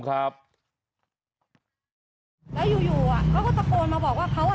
ครับแล้วอยู่อยู่อ่ะเขาก็ตะโกนมาบอกว่าเขาอ่ะ